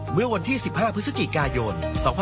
เมื่อวันที่๑๕พฤศจิกายน๒๕๖๒